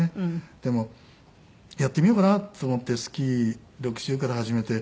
でもやってみようかなと思ってスキー６０から始めて。